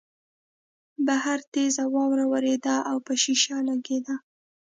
بهر تېزه واوره ورېده او په شیشه لګېده